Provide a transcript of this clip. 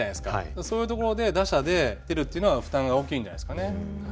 そういうところで打者で出るっていうのは負担が大きいんじゃないですかね。